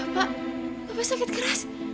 bapak bapak sakit keras